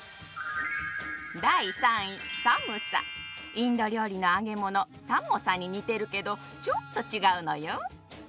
インド料理の揚げ物サモサに似てるけどちょっと違うのよ。